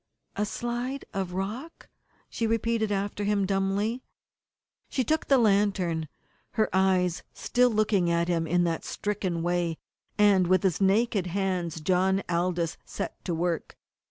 "A slide of rock," she repeated after him dumbly. She took the lantern, her eyes still looking at him in that stricken way, and with his naked hands John Aldous set to work.